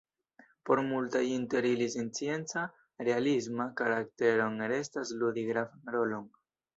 Por multaj inter ili la scienca, "realisma" karaktero restas ludi gravan rolon.